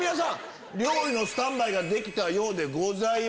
料理のスタンバイができたようでございます。